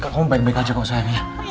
ya kamu baik baik aja kok sayang ya